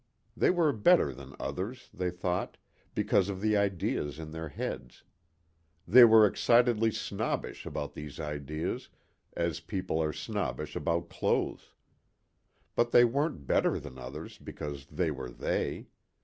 They were better than others, they thought, because of the ideas in their heads. They were excitedly snobbish about these ideas as people are snobbish about clothes. But they weren't better than others because they were they.